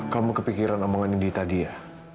kamu kepikiran omongan indi tadi ya